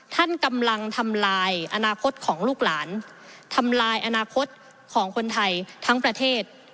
ท่านกำลังทำลายอนาคตของลูกหลานทำลายอนาคตของคนไทยทั้งประเทศ